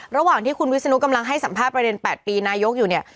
ระหว่างที่คุณวิศนุกำลังให้สัมภาษณ์ประเด็น๘ปีนายกอยู่เนี่ย